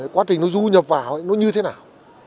quá trình nó du nhập vào nó như thế nào